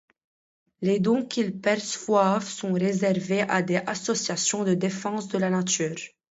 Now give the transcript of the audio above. Les dons qu'ils perçoivent sont reversés à des associations de défense de la nature.